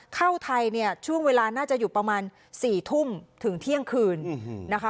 เข้าไทยเนี่ยช่วงเวลาน่าจะอยู่ประมาณ๔ทุ่มถึงเที่ยงคืนนะคะ